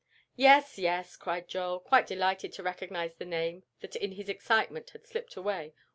"Yes, yes," cried Joel, quite delighted to recognize the name that in his excitement had slipped away.